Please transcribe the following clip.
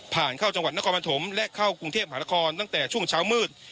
เข้าจังหวัดนครปฐมและเข้ากรุงเทพหานครตั้งแต่ช่วงเช้ามืด